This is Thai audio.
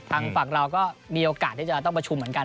ทางฝั่งเราก็มีโอกาสที่จะต้องประชุมเหมือนกัน